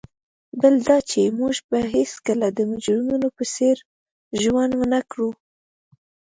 بل دا چي موږ به هیڅکله د مجرمینو په څېر ژوند ونه کړو.